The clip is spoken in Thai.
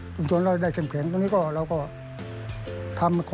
ชุมชนเราได้เข้มแข็งตรงนี้ก็เราก็ทำ